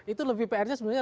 itu lebih prnya sebenarnya